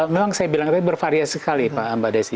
memang saya bilang tadi bervariasi sekali pak desi